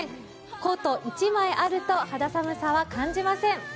コート１枚あると肌寒さは感じません。